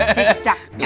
itu kan dewi